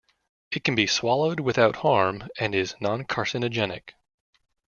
It can be swallowed without harm and is noncarcinogenic.